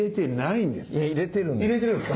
いや入れてるんです。